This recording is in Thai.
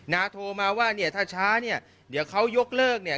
นาโทรมาว่าเนี่ยถ้าช้าเนี่ยเดี๋ยวเขายกเลิกเนี่ย